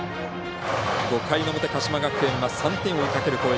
５回の表、鹿島学園は３点を追いかける攻撃。